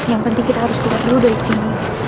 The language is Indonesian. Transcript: yang penting kita harus lihat dulu dari sini